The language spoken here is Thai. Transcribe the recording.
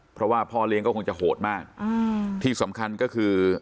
เพราะว่าพ่อเลี้ยงก็คงจะโหดมากที่สำคัญก็คือ